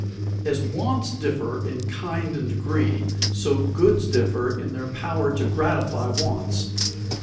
_As wants differ in kind and degree, so goods differ in their power to gratify wants.